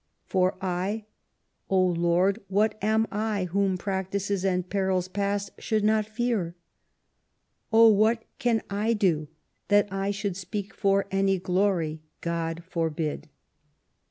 For I, O Lord what am I whom practices and perils past should not fear? O what can I do that I should speak for any glory? God forbid."